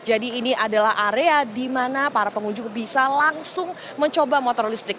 jadi ini adalah area di mana para pengunjung bisa langsung mencoba motor listrik